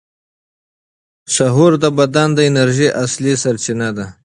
سحور د بدن د انرژۍ اصلي سرچینه ده.